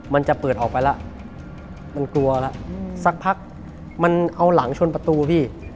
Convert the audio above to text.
มันจะเปิดออกไปแล้วมันกลัวแล้วสักพักมันเอาหลังชนประตูพี่